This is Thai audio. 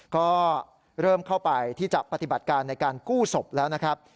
ก็เริ่มเข้าไปที่จะปฏิบัติการในการกู้ศพแล้วนะครับ